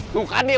tuh kan dia